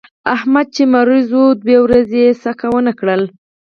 احمد چې ناروغ و دوه ورځې یې څکه ونه کړله.